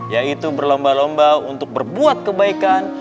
yaitu berlomba lomba untuk berbuat kebaikan